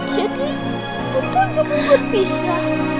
jadi kita berpisa